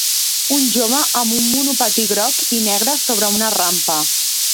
Un jove amb un monopatí groc i negre sobre una rampa.